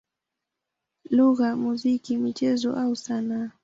lugha, muziki, michezo au sanaa.